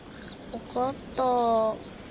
分かった。